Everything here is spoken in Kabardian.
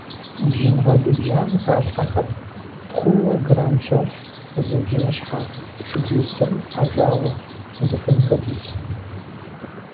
Бжьын гъэлыбжьам халъхьэхэр: тхъууэ грамм щэщӏ, зы бжьыныщхьэ, шыбжий сыр хьэжауэ — узыхуейм хуэдиз.